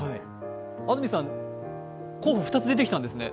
安住さん、１つ出てきたんですね。